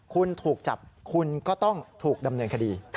คุณถูกจับคุณก็ต้องถูกดำเนินคดี